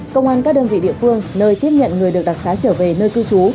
công an các đơn vị địa phương nơi tiếp nhận người được đặc xá trở về nơi cư trú